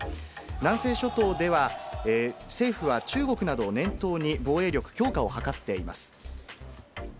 南西諸島では、政府は中国などを念頭に防衛力強化を図っています。